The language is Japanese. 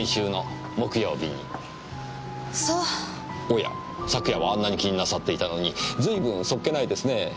おや昨夜はあんなに気になさっていたのにずいぶん素っ気ないですね。